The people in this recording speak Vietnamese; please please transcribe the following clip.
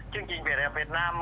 chương trình về đèn việt nam